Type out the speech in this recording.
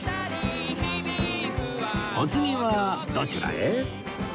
お次はどちらへ？